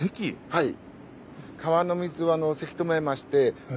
はい。